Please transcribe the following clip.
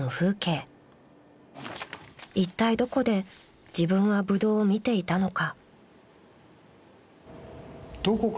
［いったいどこで自分はブドウを見ていたのか］